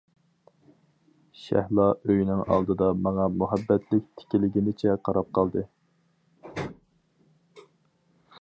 شەھلا ئۆيىنىڭ ئالدىدا ماڭا مۇھەببەتلىك تىكىلگىنىچە قاراپ قالدى.